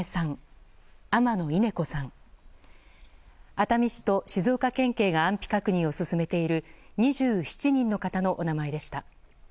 熱海市と静岡県警が安否確認を進めている２７人の方のお名前でした。